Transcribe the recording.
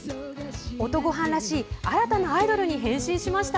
音ごはんらしい新たなアイドルに変身しました。